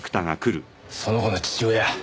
その子の父親。